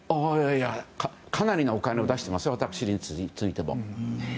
かなりのお金を出してますよ、私立についても。